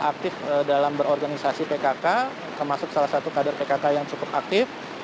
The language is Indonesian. aktif dalam berorganisasi pkk termasuk salah satu kader pkk yang cukup aktif